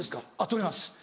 取ります。